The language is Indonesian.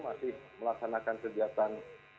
masih melaksanakan kegiatan